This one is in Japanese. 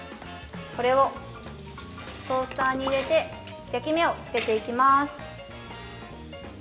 ◆これをトースターに入れて焼き目をつけていきます。